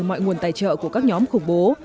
mọi nguồn tài trợ của các nhóm khủng bố